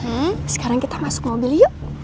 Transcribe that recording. hmm sekarang kita masuk mobil yuk